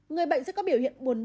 người bệnh sẽ có biểu hiện buồn nôn